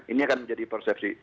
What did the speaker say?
ini akan menjadi persepsi